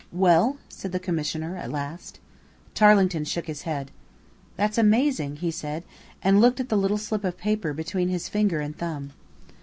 "Well?" said the Commissioner at last. Tarling shook his head. "That's amazing," he said, and looked at the little slip of paper between his finger and thumb.